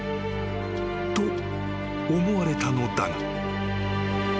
［と思われたのだが］